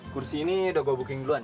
kursi ini udah gue booking duluan